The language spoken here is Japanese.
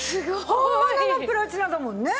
本物のプラチナだもんね。